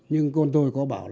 nhưng con tôi có bảo là